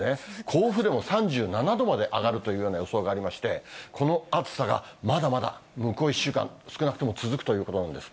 甲府でも３７度まで上がるというような予想がありまして、この暑さがまだまだ向こう１週間、少なくとも続くということなんです。